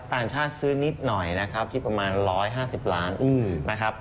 ต่างชาติซื้อนิดหน่อยนะครับที่ประมาณ๑๕๐ล้านนะครับ